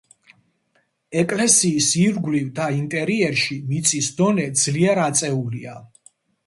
ეკლესიის ირგვლივ და ინტერიერში მიწის დონე ძლიერ აწეულია.